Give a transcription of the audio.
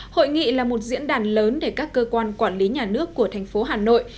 hội nghị là một diễn đàn lớn để các cơ quan quản lý nhà nước của thành phố hà nội